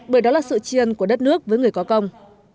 bởi đó là sự chiên của đất nước với người có công